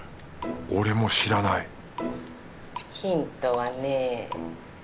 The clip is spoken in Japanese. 俺も知らないヒントはね